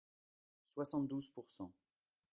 Soixante douze pour cent.